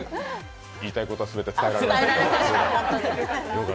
言いたいことは全て伝えられましたか？